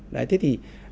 đấy thế thì